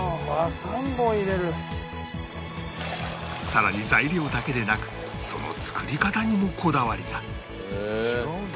さらに材料だけでなくその作り方にもこだわりが